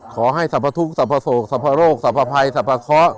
ขอให้สะพะทุกข์สะพะโศกสะพะโรคสะพะภัยสะพะเคาะ